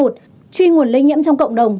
truy nguồn lây nhiễm trong cộng đồng